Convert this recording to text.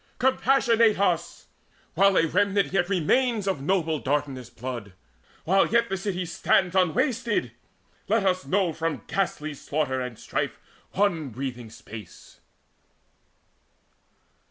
Compassionate us, while a remnant yet Remains of noble Dardanus' blood, while yet This city stands unwasted! Let us know From ghastly slaughter and strife one breathing space!"